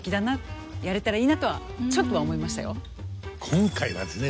今回はですね